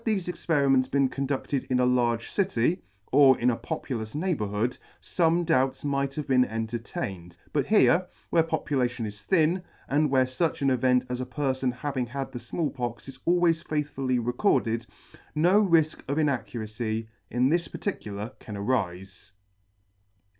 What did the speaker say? Had thefe experiments been condudted in a large city, or in a populous neighbourhood, fome doubts might have been en tertained; but here, where population is thin, and where fuch an event as a perfon's having had the Small Pox is always faith fully recorded, no rifk of inaccuracy in this particular can arife.